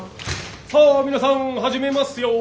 さあ皆さん始めますよ。